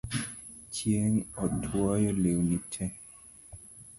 Chieng' otwoyo lewni tee